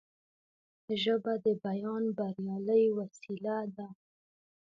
ژبه د بیان بریالۍ وسیله ده